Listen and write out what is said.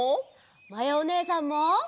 まやおねえさんも。